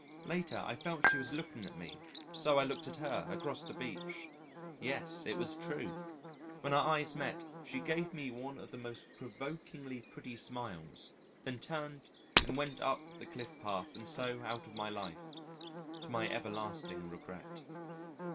Later, I felt she was looking at me, so I looked at her, across the beach. Yes! it was true. When our eyes met she gave me one of the most provokingly pretty smiles, then turned and went up the cliff path and so out of my life to my everlasting regret.